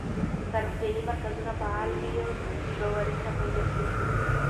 که روغتیايي مرکزونه فعال وي، بې باوري نه پیدا کېږي.